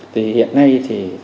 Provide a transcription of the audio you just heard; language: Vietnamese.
thì hiện nay thì